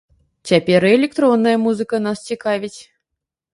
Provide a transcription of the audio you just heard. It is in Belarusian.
Цяпер і электронная музыка нас цікавіць.